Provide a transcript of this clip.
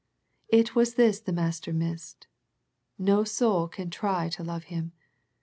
It was this the Master missed. No soul can trv to love Him.